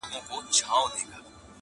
گوز په ټوخي نه تېرېږي.